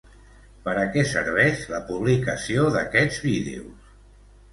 Per a què serveix la publicació d'aquests vídeos?